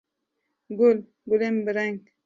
Gul, gulên bi reng